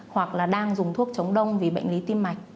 hoặc là đang dùng thuốc chống đông vì bệnh lý tim mạch